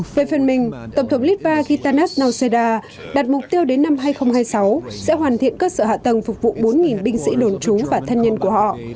về phần mình tổng thống litva khi tarnas nauseda đạt mục tiêu đến năm hai nghìn hai mươi sáu sẽ hoàn thiện cơ sở hạ tầng phục vụ bốn binh sĩ đồn trú và thân nhân của họ